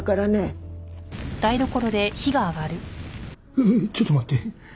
えっちょっと待って。